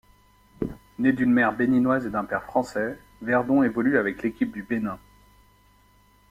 Né d'une mère béninoise et d'un père français, Verdon évolue avec l'équipe du Bénin.